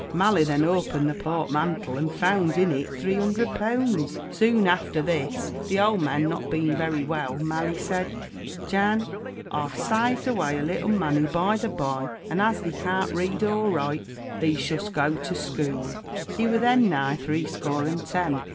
Mally then opened the portmantle, and found en et three hunderd pounds. Soon after thes, the ould man not being very well, Mally said, "Jan, I'ave saaved away a little money, by the bye, and as thee caan't read or write, thee shu'st go to scool" (he were then nigh threescore and ten).